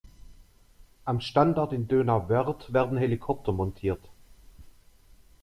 Am Standort in Donauwörth werden Helikopter montiert.